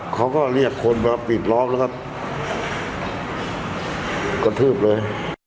เขาก็เรียกคนมาปิดล้อมแล้วก็กระทืบเลย